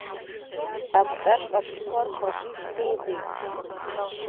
Акәтаӷь ҟаԥшьқәа рхаҿы ишьҭеиҵеит.